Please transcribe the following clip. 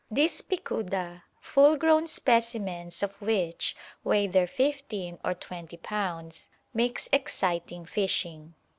This picuda, full grown specimens of which weigh their fifteen or twenty pounds, makes exciting fishing.